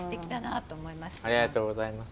ありがとうございます。